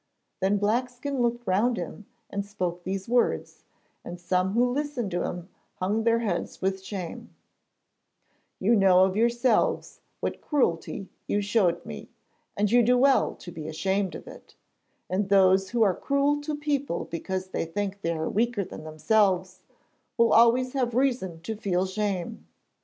Then Blackskin looked round him, and spoke these words, and some who listened to him hung their heads with shame: 'You know of yourselves what cruelty you showed me, and you do well to be ashamed of it; and those who are cruel to people because they think they are weaker than themselves will always have reason to feel shame.